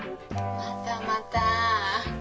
またまた。